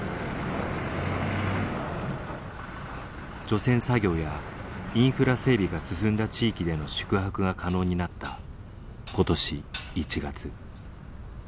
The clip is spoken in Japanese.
除染作業やインフラ整備が進んだ地域での宿泊が可能になったことし１月。